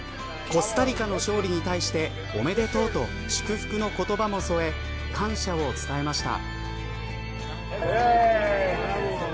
コスタリカの勝利に対しておめでとうと祝福の言葉も添え感謝を伝えました。